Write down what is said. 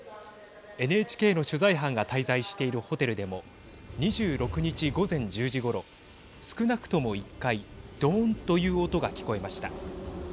ＮＨＫの取材班が滞在しているホテルでも２６日午前１０時ごろ少なくとも１回ドーンという音が聞こえました。